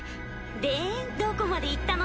でどこまでいったの？